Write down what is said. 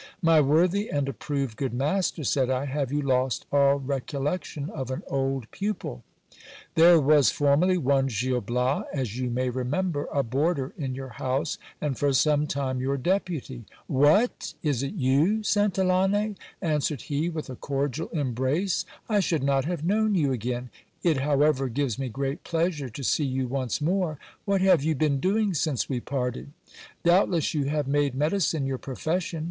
My worthy and approved good master, said I, have you lost all recollection of an old pupil ? There was formerly one Gil Bias, as you may remember, a boarder in your house, and for some time your deputy. What ! is it you, Santillane ? answered he, with a cordial embrace. I should not have known you again. It, how ever, gives me great pleasure to see you once more. What have you been doing since we parted ? Doubtless you have made medicine your profession.